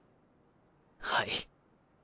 はい。